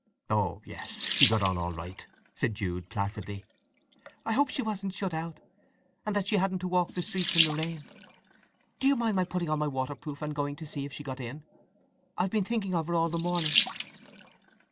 "Oh yes: she got on all right," said Jude placidly. "I hope she wasn't shut out, and that she hadn't to walk the streets in the rain. Do you mind my putting on my waterproof and going to see if she got in? I've been thinking of her all the morning."